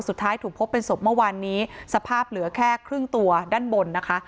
สุดท้ายถูกพบเป็นศพเมื่อวานนี้สภาพเหลือแค่ครึ่งตัวด้านบนนะคะ